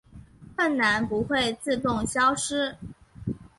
困难不会自动消失